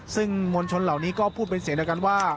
ซึ่งมวลชนเหล่านี้ก็พูดเป็นเสียงเดียวกันว่า